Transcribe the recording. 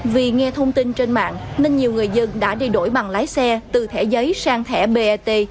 vì nghe thông tin trên mạng nên nhiều người dân đã đi đổi bằng lái xe từ thẻ giấy sang thẻ bat